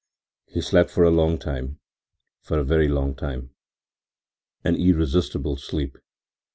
He slept for a long time, for a very long time, an irresistible sleep.